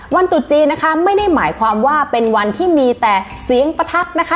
ตุดจีนนะคะไม่ได้หมายความว่าเป็นวันที่มีแต่เสียงประทักนะคะ